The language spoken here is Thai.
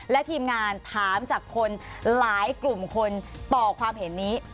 และทีมงานถามจากคนหลายกลุ่มคนต่อความเห็นนี้